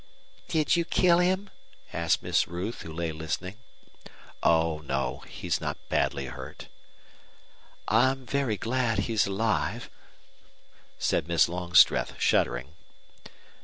"Did you kill him?" asked Miss Ruth, who lay listening. "Oh no. He's not badly hurt." "I'm very glad he's alive," said Miss Longstreth, shuddering.